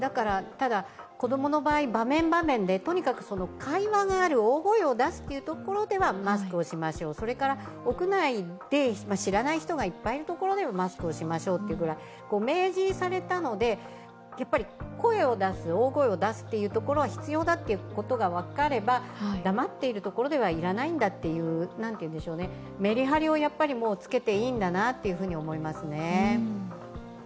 ただ子供の場合、場面場面で、会話がある大声を出すというところではマスクをしましょう、それから、屋内で知らない人がいっぱいいる所ではマスクをしましょうと明示されたので声を出す、大声を出すところでは必要だと分かれば、黙っている所では要らないんだっていうメリハリをつけていいんだなと思いますね。